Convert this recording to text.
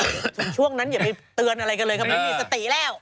ถึงช่วงนั้นอย่าไปเตือนเรื่องอะไรกันเลยครับเฮ้ยไม่มีสติแล้ว